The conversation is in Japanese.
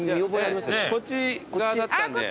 こっち側だったんで。